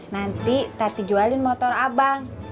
nanti teddy jualin motor abang